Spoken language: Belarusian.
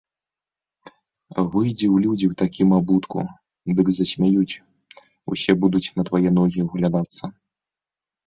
Выйдзі ў людзі ў такім абутку, дык засмяюць, усе будуць на твае ногі ўглядацца.